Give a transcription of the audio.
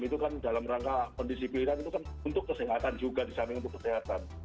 itu kan dalam rangka pendisiplinan itu kan untuk kesehatan juga di samping untuk kesehatan